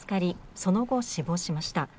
その後、死亡しました。